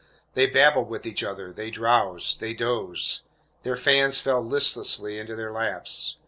They babbled with each other, they drowsed, they dozed. Their fans fell listless into their laps.